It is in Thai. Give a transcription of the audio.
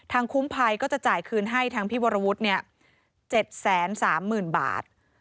คุ้มภัยก็จะจ่ายคืนให้ทางพี่วรวุฒิ๗๓๐๐๐บาท